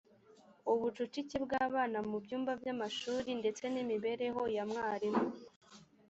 ubucucike bw abana mu byumba by amashuri ndetse n imibereho ya mwarimu